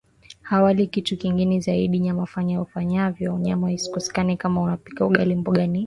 hawali kitu kingine zaidi nyama Fanya ufanyavyo nyama isikosekane Kama unapika ugali mboga ni